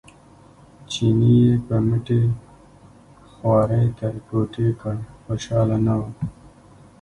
چیني یې په مټې خوارۍ تر کوټې کړ خوشاله نه و.